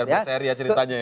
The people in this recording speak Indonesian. biar seri ya ceritanya